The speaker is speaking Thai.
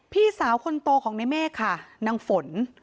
พี่สาวคนโตของในเมฆค่ะนางฝน